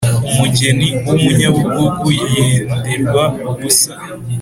umugeni w'umunyabugugu yenderwa ubusa